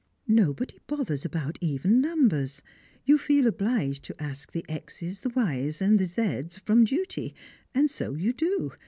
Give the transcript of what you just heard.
Nobody bothers about even numbers. You feel obliged to ask the X's, the Y's, and the Z's from duty, and so you do.